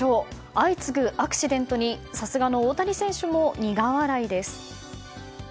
相次ぐアクシデントにさすがの大谷選手も苦笑いです。